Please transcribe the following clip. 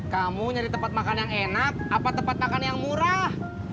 kamu nyari tempat makan yang enak apa tempat makan yang murah